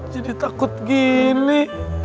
jadi takut gini